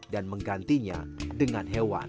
dan menggantinya dengan hewan